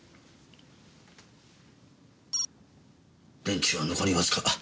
電池は残りわずか。